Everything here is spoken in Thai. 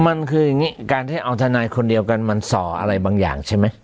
มันคืออย่างนี้การที่เอาทนายคนเดียวกันมันส่ออะไรบางอย่างใช่ไหม